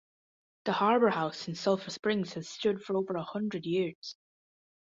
The Harbor House in Sulphur Springs has stood for over a hundred years.